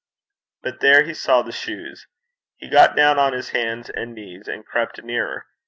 But there he saw the shoes. He got down on his hands and knees, and crept nearer.